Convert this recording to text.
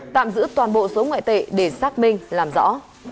tạm giữ toàn bộ số ngoại tệ để xác minh làm rõ